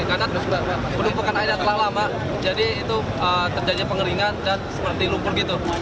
karena penumpukan air yang telah lama jadi itu terjadi pengeringan dan seperti lumpur gitu